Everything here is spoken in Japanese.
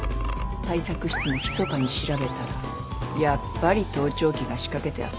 対策室もひそかに調べたらやっぱり盗聴器が仕掛けてあった。